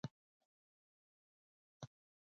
سکاره توږل شوي او استخراج ته چمتو شوي دي.